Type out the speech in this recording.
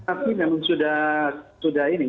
relaksasi memang sudah ini